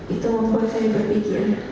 itu membuat saya berpikir